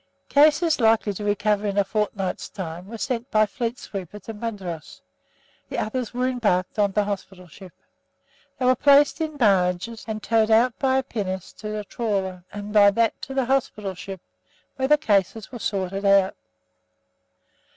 Cases likely to recover in a fortnight's time were sent by fleet sweeper to Mudros; the others were embarked on the hospital ship. They were placed in barges, and towed out by a pinnace to a trawler, and by that to the hospital ship, where the cases were sorted out.